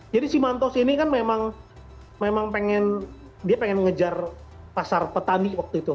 jadi si mantu ini kan memang pengen dia pengen ngejar pasar petani waktu itu